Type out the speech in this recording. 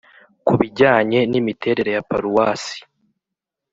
ku bijyanye n’imiterere ya paruwasi,